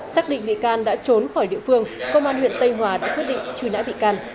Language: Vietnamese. xác định bị can đã trốn khỏi địa phương công an huyện tây hòa đã quyết định truy nã bị can